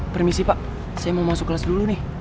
permisi pak saya mau masuk kelas dulu nih